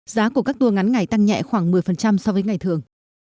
giá của các tour ngắn ngày tăng nhẹ khoảng một mươi so với ngày thường